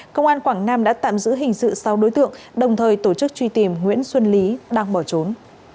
công an quảng nam đã tạm giữ hình sự sáu đối tượng đồng thời tổ chức truy tìm nguyễn xuân lý đang bỏ trốn